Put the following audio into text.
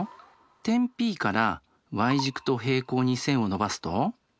点Ｐからｙ軸と平行に線を伸ばすと。